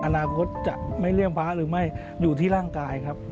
อนาคตจะไม่เลี่ยมพระหรือไม่อยู่ที่ร่างกายครับ